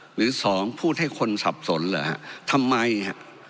หรือสองพูดให้คนสับสนเหรอฮะทำไมฮะ